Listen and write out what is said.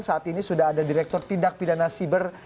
saat ini sudah ada direktur tindak pidana siber